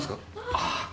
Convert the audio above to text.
ああ！